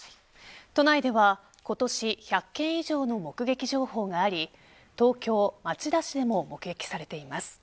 都内では今年１００件以上の目撃情報があり東京・町田市でも目撃されています。